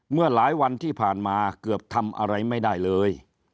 เมื่อหลายวันที่ผ่านมาเกือบทำอะไรไม่ได้เลย